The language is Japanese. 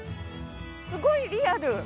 すごいリアル。